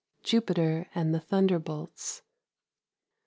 JUPITER AND THE THUNDERBOLTS.